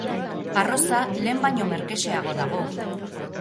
Arroza lehen baino merkexeago dago.